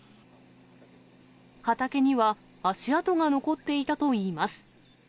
畑には足跡が残っていたといいます。